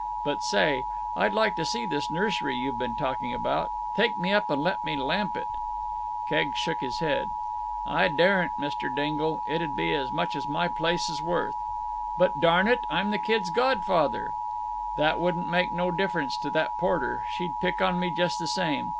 But say, I'd like to see this nursery you've been talking about. Take me up and let me lamp it." Keggs shook his head. "I daren't, Mr. Dingle. It 'ud be as much as my place is worth." "But, darn it! I'm the kid's godfather." "That wouldn't make no difference to that Porter. She'd pick on me just the same.